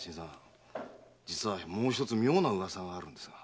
じつはもう一つ妙な噂があるんですが。